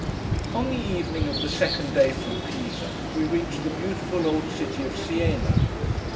On the evening of the second day from Pisa, we reached the beautiful old city of Siena.